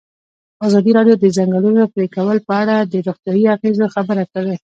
ازادي راډیو د د ځنګلونو پرېکول په اړه د روغتیایي اغېزو خبره کړې.